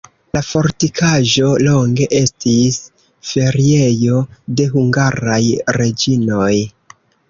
La fortikaĵo longe estis feriejo de hungaraj reĝinoj.